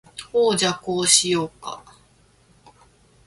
ほーじゃ、こうしようか？